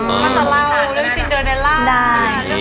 มันตาเว้าเรื่องศิลป์เดอร์ได้